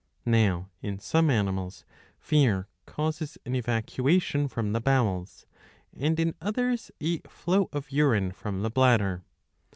'^ Now, in some animals, fear causes an evacuation from the bowels, and, in. others, a flow of urine from the bladder.